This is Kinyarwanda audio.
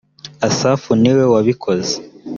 asafu ni we wabikoze